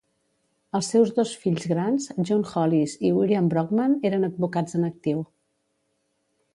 Els seus dos fills grans, John Hollis i William Brockman, eren advocats en actiu.